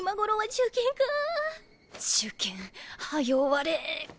受験はよ終われ。